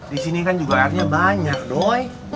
di sini kan juga airnya banyak doy